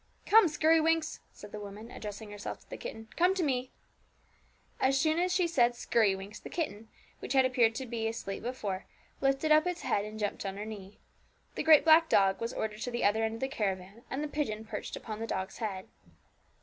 'Come, Skirrywinks,' said the woman, addressing herself to the kitten; 'come to me.' As soon as she said 'Skirrywinks,' the kitten, which had appeared to be asleep before, lifted up its head and jumped on her knee. The great black dog was ordered to the other end of the caravan, and the pigeon perched upon the dog's head.